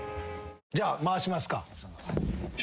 じゃあ回しますか。